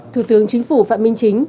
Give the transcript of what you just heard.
thủ tướng chính phủ phạm minh chính